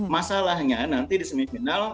masalahnya nanti di semifinal